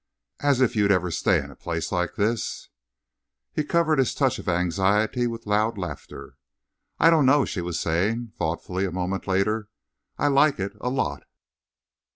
"As if you'd ever stay in a place like this!" He covered his touch of anxiety with loud laughter. "I don't know," she was saying thoughtfully a moment later. "I like it a lot."